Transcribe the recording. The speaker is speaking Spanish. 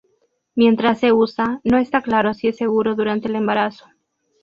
Mientras se usa, no está claro si es seguro durante el embarazo.